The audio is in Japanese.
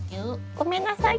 ごめんなさい。